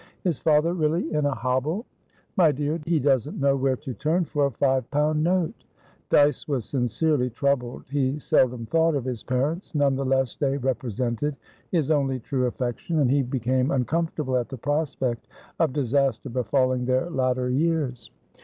Is father really in a hobble?" "My dear, he doesn't know where to turn for a five pound note!" Dyce was sincerely troubled. He seldom thought of his parents; none the less they represented his only true affection, and he became uncomfortable at the prospect of disaster befalling their latter years.